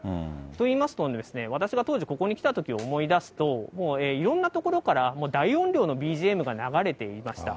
といいますのも、私が当時ここに来たときを思い出すと、もういろんな所から、もう大音量のＢＧＭが流れていました。